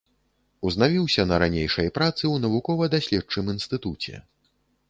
Узнавіўся на ранейшай працы ў навукова-даследчым інстытуце.